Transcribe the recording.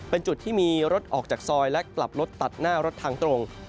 เป็นจุดที่มีรถออกจากซอยและกลับรถตัดหน้ารถทางตรง